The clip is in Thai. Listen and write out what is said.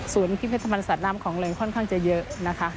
ศูนย์พิพิธภัณฑ์ศาสตร์น้ำของเรนค่อนข้างจะเยอะ